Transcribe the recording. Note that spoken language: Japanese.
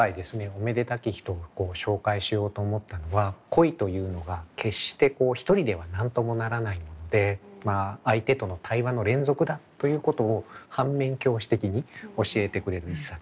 「お目出たき人」を紹介しようと思ったのは恋というのが決して一人では何ともならないもので相手との対話の連続だということを反面教師的に教えてくれる一冊。